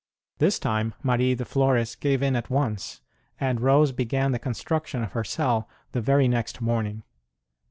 This time Marie de Flores gave in at once ; and Rose began the construction of her cell the very next morning.